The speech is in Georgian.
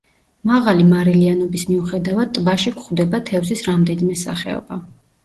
მაღალი მარილიანობის მიუხედავად ტბაში გვხვდება თევზის რამდენიმე სახეობა.